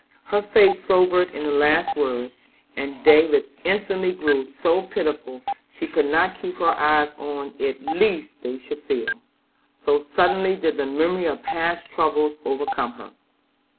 Her face sobered at the last words, and David's instantly grew so pitiful she could not keep her eyes on it lest they should fill, so suddenly did the memory of past troubles overcome her.